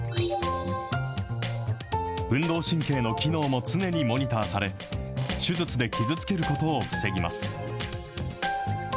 運動神経の機能も常にモニターされ、手術で傷つけることを防ぎます。